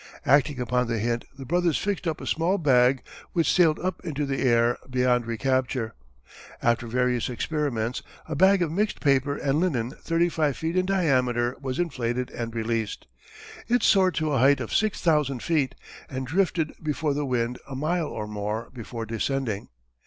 Acting upon the hint the brothers fixed up a small bag which sailed up into the air beyond recapture. After various experiments a bag of mixed paper and linen thirty five feet in diameter was inflated and released. It soared to a height of six thousand feet, and drifted before the wind a mile or more before descending.